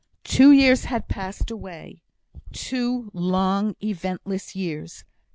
Two years had passed away two long, eventless years.